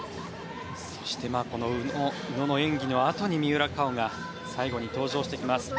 そしてこの宇野の演技のあとに三浦佳生が最後に登場してきます。